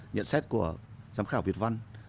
nhận xét của giám khảo việt văn